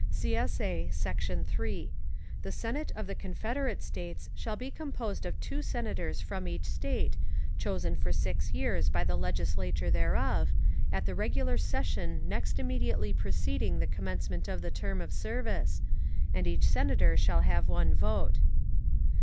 [CSA] Section 3. The Senate of the Confederate States shall be composed of two Senators from each State, chosen for six years by the Legislature thereof, at the regular session next immediately preceding the commencement of the term of service; and each Senator shall have one vote.